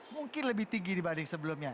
mungkin lebih tinggi dibanding sebelumnya